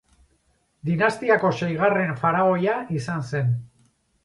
Dinastiako seigarren faraoia izan zen.